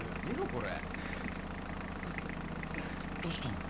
これえっどうしたの？